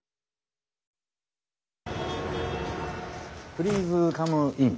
プリーズカムイン。